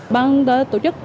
băng tổ chức